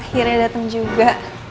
akhirnya datang juga